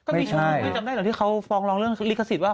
ไม่ใช่ไม่จำได้เหรอที่เขาฟองรองเรื่องลิขสิทธิว่า